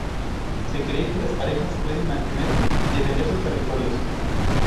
Se cree que las parejas pueden mantener y defender sus territorios.